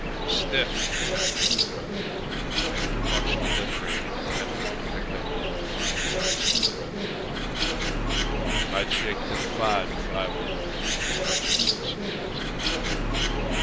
"A stiff!" Pentfield groaned. After much deliberating Pentfield picked up all the five dice and put them in the box. "I'd shake to the five if I were you," Hutchinson suggested.